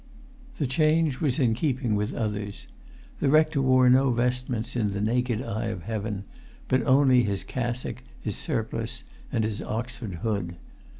The change was in keeping with[Pg 319] others. The rector wore no vestments in the naked eye of heaven, but only his cassock, his surplice, and his Oxford hood.